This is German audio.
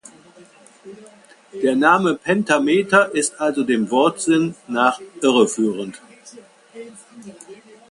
Der Name „Pentameter“ ist also dem Wortsinn nach irreführend.